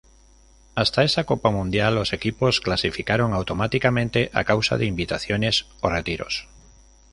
Hasta esa Copa Mundial, los equipos clasificaron automáticamente a causa de invitaciones o retiros.